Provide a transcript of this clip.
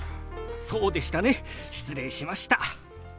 そうでしたね失礼しました。